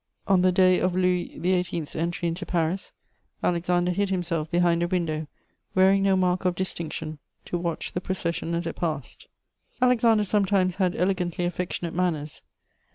On the day of Louis XVIII.'s entry into Paris, Alexander hid himself behind a window, wearing no mark of distinction, to watch the procession as it passed. Alexander sometimes had elegantly affectionate manners.